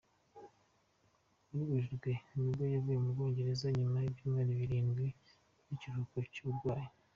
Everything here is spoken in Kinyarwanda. Muri Werurwe nibwo yavuye mu Bwongereza nyuma y’ibyumweru birindwi by’ikiruhuko cy’uburwayi.